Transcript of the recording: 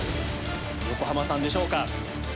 横浜さんでしょうか？